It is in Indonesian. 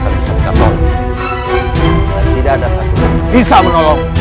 selamat menikmati kematian